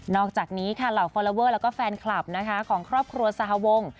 อกจากนี้ค่ะเหล่าฟอลลอเวอร์แล้วก็แฟนคลับนะคะของครอบครัวสหวง